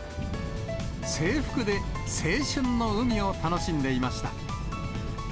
制服で、青春の海を楽しんでいました。